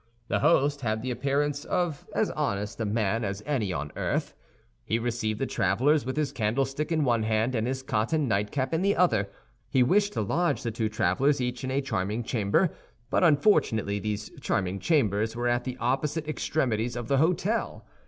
The host had the appearance of as honest a man as any on earth. He received the travelers with his candlestick in one hand and his cotton nightcap in the other. He wished to lodge the two travelers each in a charming chamber; but unfortunately these charming chambers were at the opposite extremities of the hôtel.